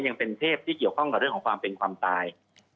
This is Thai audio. ยังเป็นเทพที่เกี่ยวข้องกับเรื่องของความเป็นความตาย